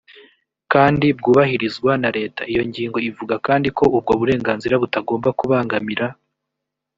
kandi bwubahirizwa na leta iyo ngingo ivuga kandi ko ubwo burenganzira butagomba kubangamira